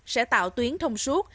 sẽ tạo tuyến thông suốt